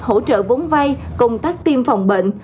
hỗ trợ vốn vay công tác tiêm phòng bệnh